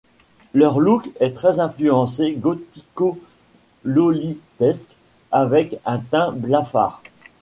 Leur look est très influencé gothico-lolitesque avec un teint blafard.